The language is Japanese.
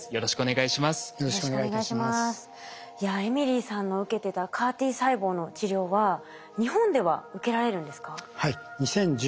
いやエミリーさんの受けてたＣＡＲ−Ｔ細胞の治療は日本では受けられるんですか？